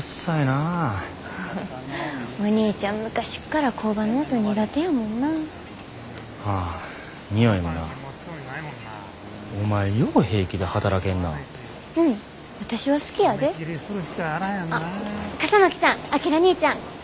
あっ笠巻さん章にいちゃん。